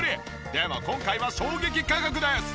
でも今回は衝撃価格です！